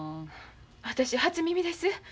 私初耳です。